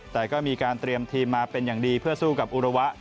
แต่ก็มีการเตรียมทีมมาเป็นอย่างดีเพื่อสู้กับอุระวะ